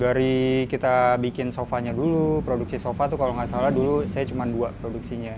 dari kita bikin sofanya dulu produksi sofa tuh kalau nggak salah dulu saya cuma dua produksinya